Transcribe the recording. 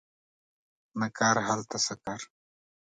نه کار هلته څه کار